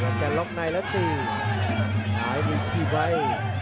โล่งรับในแล้วตี